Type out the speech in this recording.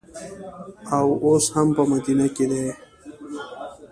او اوس هم په مدینه کې دي.